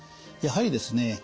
やはりですね